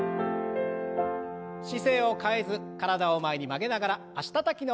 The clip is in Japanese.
姿勢を変えず体を前に曲げながら脚たたきの運動を。